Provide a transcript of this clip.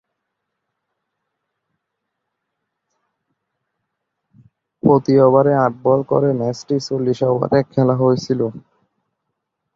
প্রতি ওভারে আট বল করে ম্যাচটি চল্লিশ ওভারে খেলা হয়েছিল।